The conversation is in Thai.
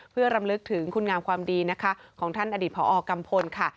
เพื่อรำลึกถึงคุณงามความดีของท่านอดีตพกค่ะ